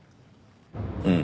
うん。